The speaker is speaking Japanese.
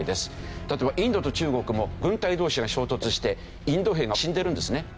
例えばインドと中国も軍隊同士が衝突してインド兵が死んでるんですね。